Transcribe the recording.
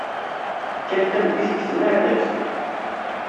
Kkan tameddit deg tnerdabt.